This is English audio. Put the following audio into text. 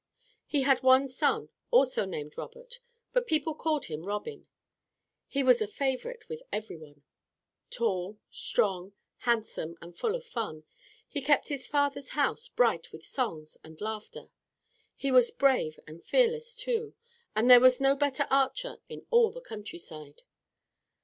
He had one son also named Robert, but people called him Robin. He was a favorite with every one. Tall, strong, handsome, and full of fun, he kept his father's house bright with songs and laughter. He was brave and fearless too, and there was no better archer in all the countryside.